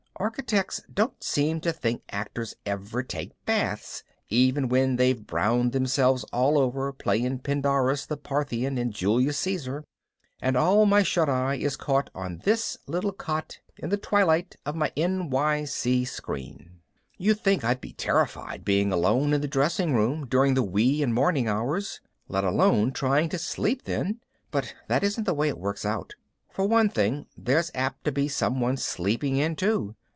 Architects don't seem to think actors ever take baths, even when they've browned themselves all over playing Pindarus the Parthian in Julius Caesar. And all my shut eye is caught on this little cot in the twilight of my NYC screen. You'd think I'd be terrified being alone in the dressing room during the wee and morning hours, let alone trying to sleep then, but that isn't the way it works out. For one thing, there's apt to be someone sleeping in too.